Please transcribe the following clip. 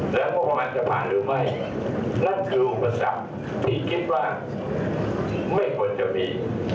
แล้วงบประมาณจะผ่านหรือไม่นั่นคืออุปสรรคที่คิดว่าไม่ควรจะมี